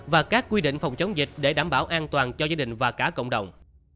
và các quy định phòng chống dịch để đảm bảo an toàn cho gia đình và cả cộng đồng